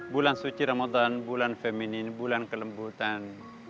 bulan suci ramadan bulan feminin bulan kelembutan